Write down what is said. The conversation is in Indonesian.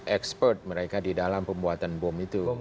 expert mereka di dalam pembuatan bom itu